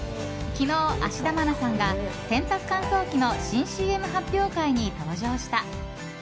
昨日、芦田愛菜さんが洗濯乾燥機の新ＣＭ発表会に登場した。